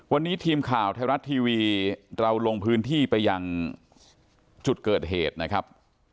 วันนี้ทีมข่าวไทยรัฐทีวีเราลงพื้นที่ไปยังจุดเกิดเหตุนะครับ